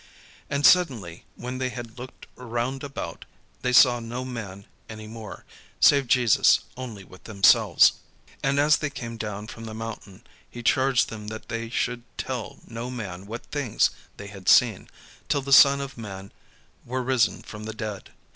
And suddenly, when they had looked round about, they saw no man any more, save Jesus only with themselves. And as they came down from the mountain, he charged them that they should tell no man what things they had seen, till the Son of man were risen from the dead.